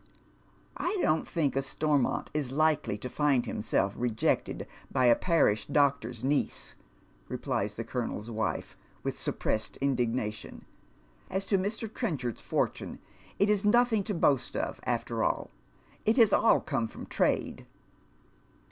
" 1 don't think a Stormont is Hkely to find himself rejected by a parish doctor's niece," replies the colonel's wife, with sup pressed indignation. " As to Mr. Trenchard's fortune, it is nothing to boast of after all. It has all come from trade."